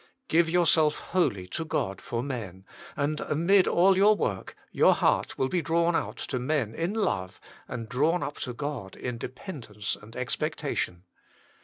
Give yourself wholly to God for men, and amid all your work, your heart will he drawn out to men in love, and drawn up to God in dependence and expectation.